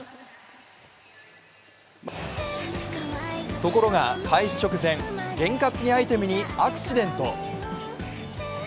ところが、開始直前、験担ぎアイテムにアクシデント。